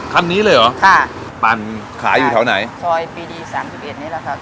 คันนี้เลยเหรอค่ะปั่นขายอยู่แถวไหนซอยปีดีสามสิบเอ็ดนี่แหละครับ